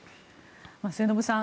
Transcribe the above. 末延さん